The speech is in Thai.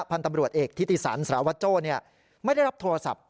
พันธ์ตำรวจเอกทิติสันสารวัตโจ้ไม่ได้รับโทรศัพท์